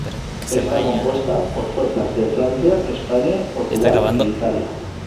Está compuesta por fuerzas de Francia, España, Portugal e Italia.